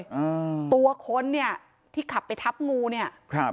อ่าตัวคนเนี้ยที่ขับไปทับงูเนี้ยครับ